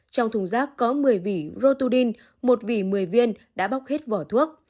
trong thùng rác có một mươi vỉ rotudin một vỉ một mươi viên đã bóc hết vỏ thuốc